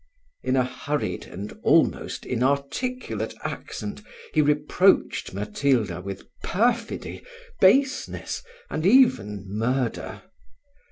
In a hurried and almost inarticulate accent, he reproached Matilda with perfidy, baseness, and even murder.